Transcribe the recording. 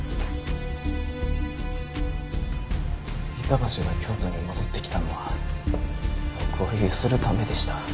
板橋が京都に戻ってきたのは僕をゆするためでした。